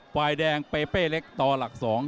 ฝ่ายแดงเปเป้เล็กต่อหลัก๒